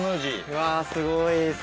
うわすごいです。